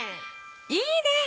いいね！